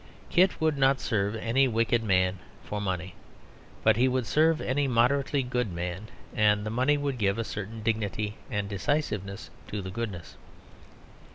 Kit would not serve any wicked man for money, but he would serve any moderately good man and the money would give a certain dignity and decisiveness to the goodness.